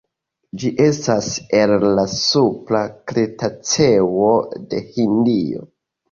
Ĝi estas el la supra kretaceo de Hindio.